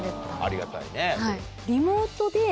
ありがたいね。